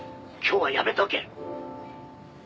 今日はやめておけ」